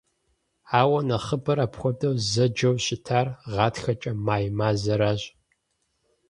Ауэ нэхъыбэр апхуэдэу зэджэу щытар гъатхэкӀэ «май» мазэращ.